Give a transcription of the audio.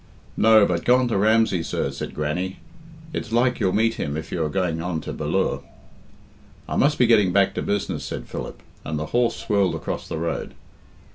"No, but gone to Ramsey, sir," said Grannie. "It's like you'll meet him if you are going on to Ballure." "I must be getting back to business," said Philip, and the horse swirled across the road.